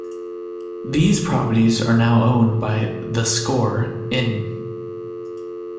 These properties are now owned by theScore In.